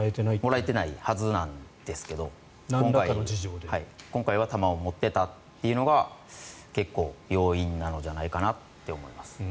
もらえてないはずですが今回は弾を持っていたというのが結構、要因じゃないかなと思います。